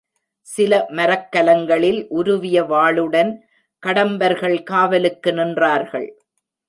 சில மரக்கலங்களில் உருவிய வாளுடன் கடம்பர்கள் காவலுக்கு நின்றார்கள்.